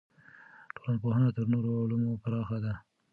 ټولنپوهنه تر نورو علومو پراخه ده.